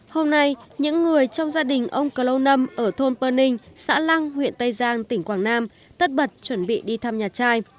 hôm nay những người trong gia đình ông clou nâm ở thôn pơ ninh xã lăng huyện tây giang tỉnh quảng nam tất bật chuẩn bị đi thăm nhà trai